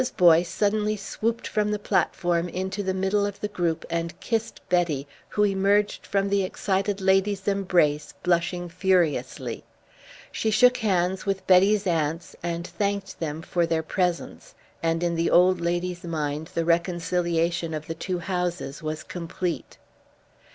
Boyce suddenly swooped from the platform into the middle of the group and kissed Betty, who emerged from the excited lady's embrace blushing furiously. She shook hands with Betty's aunts and thanked them for their presence; and in the old lady's mind the reconciliation of the two houses was complete.